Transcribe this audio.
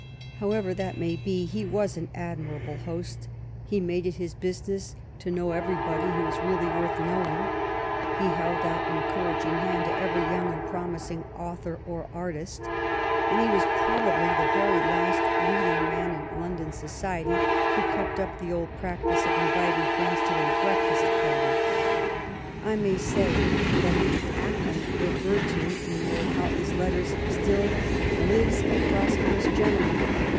However that may be, he was an admirable host; he made it his business to know everybody who was really worth knowing; he held out an en couraging hand to every young and promising author or artist, and he was probably the very last leading man in London society who kept up the old practice of inviting friends to a break fast party. I may say that the " Acland " referred to in Lord Houghton's letter still " lives, a pros perous gentleman."